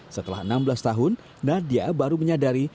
setelah enam belas tahun nadia baru menyadari